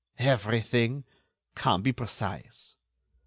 "Everything? Come, be precise."